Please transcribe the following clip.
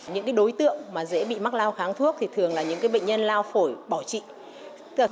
những đối tượng dễ bị mắc lao kháng thuốc thì thường là những bệnh nhân lao phổi bỏ trị